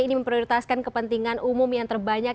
ini memprioritaskan kepentingan umum yang terbanyak